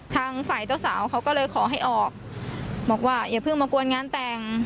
ทางฝ่ายเจ้าสาวเขาก็เลยขอให้ออกบอกว่าอย่าเพิ่งมากวนงานแต่ง